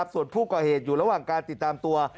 ส่วนผู้ก่อเหตุอยู่ระหว่างการติดตามตัว